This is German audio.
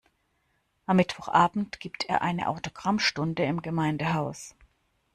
Am Mittwochabend gibt er eine Autogrammstunde im Gemeindehaus.